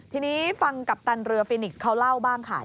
ทีนี้ฟังกัปตันเรือฟินิกส์เขาเล่าบ้างค่ะ